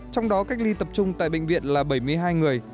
trong đó cách ly tập trung tại bệnh viện là bảy mươi hai người